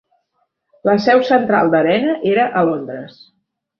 La seu central d'"Arena" era a Londres.